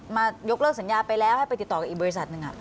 ยกเลิกสัญญาไปแล้วให้ไปติดต่อกับอีกบริษัทหนึ่ง